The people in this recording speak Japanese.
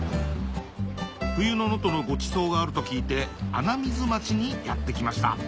冬の能登のごちそうがあると聞いて穴水町にやって来ました